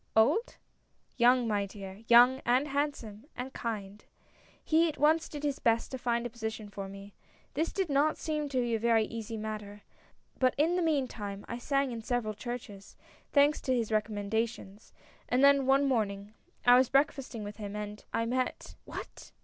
" Old?" " Young, my dear — young and handsome, and kind. He at once did his best to find a position for me. This did not seem to be a very easy matter ; but in the meantime I sang in several churches — thanks to his recommendations ;— and then one morning I was break fasting with him — and I met " "What!